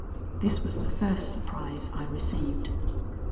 This was the first surprise I received.